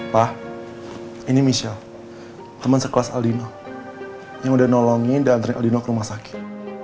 pak ini michelle teman sekelas aldino yang udah nolongin dan antrian aldino ke rumah sakit